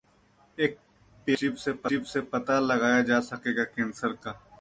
एक paper strip से पता लगाया जा सकेगा कैंसर का